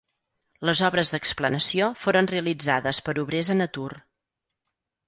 Les obres d'explanació foren realitzades per obrers en atur.